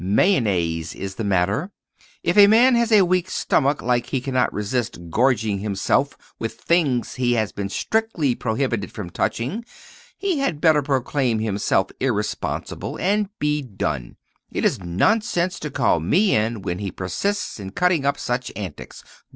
Mayonnaise is the matter. If a man with a weak stomach like his cannot resist gorging himself with things he has been strictly prohibited from touching, he had better proclaim himself irresponsible and be done. It is nonsense to call me in when he persists in cutting up such antics.